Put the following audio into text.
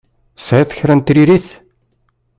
Tesɛiḍ kra n tiririt?